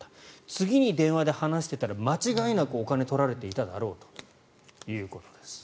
次に電話で話していたら間違いなくお金を取られていただろうということです。